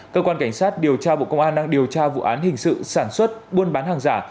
cơ quan cảnh sát điều tra bộ công an đang điều tra vụ án hình sự sản xuất buôn bán hàng giả